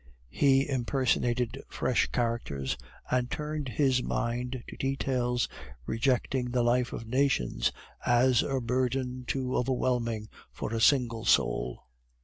He impersonated fresh characters, and turned his mind to details, rejecting the life of nations as a burden too overwhelming for a single soul.